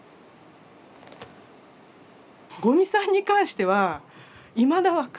五味さんに関してはいまだ分かんない。